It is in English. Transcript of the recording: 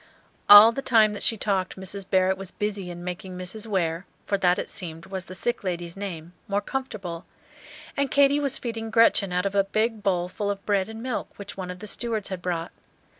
All the time that she talked Mrs. Barrett was busy in making Mrs. Ware for that, it seemed, was the sick lady's name more comfortable; and Katy was feeding Gretchen out of a big bowl full of bread and milk which one of the stewards had brought.